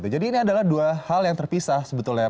jadi ini adalah dua hal yang terpisah sebetulnya